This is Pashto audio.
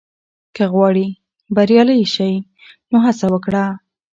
که غواړې بریالی شې، نو هڅه وکړه.